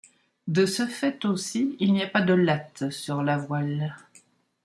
De ce fait aussi, il n'y a pas de latte sur la voile.